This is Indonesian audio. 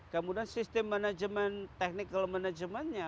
kemudian sistem manajemen technical managementnya